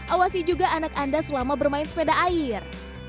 awasi juga anak anda selama bermain sepeda air